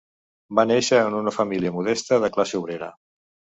Va néixer en una família modesta de classe obrera.